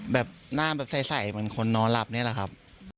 แบบหน้าแบบใสเหมือนคนนอนหลับนี่แหละครับ